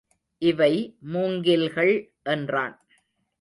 இவை மூங்கில்கள் என்றான்.